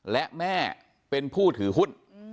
และแม่เป็นผู้ถือหุ้น